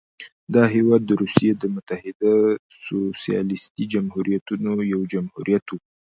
دا هېواد د روسیې متحده سوسیالیستي جمهوریتونو یو جمهوریت و.